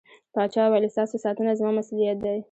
پاچا وويل: ستاسو ساتنه زما مسووليت دى.